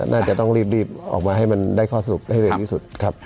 น่าจะต้องรีบออกมาให้มันได้ข้อสรุปให้เร็วที่สุดครับ